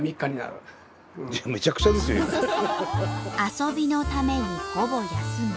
遊びのためにほぼ休み。